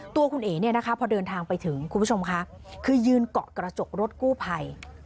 ตัวคุณเอ๋เนี่ยนะคะพอเดินทางไปถึงคุณผู้ชมค่ะคือยืนเกาะกระจกรถกู้ภัย